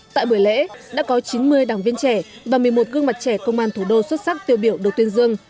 tại buổi lễ đã có chín mươi đảng viên trẻ và một mươi một gương mặt trẻ công an thủ đô xuất sắc tiêu biểu được tuyên dương